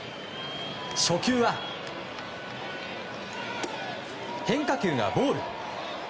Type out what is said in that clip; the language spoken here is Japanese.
初球は変化球がボール。